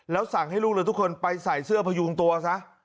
แล้วสั่งให้ลูกเรือทุกคนไปใส่เสื้อพยุงตัวซะ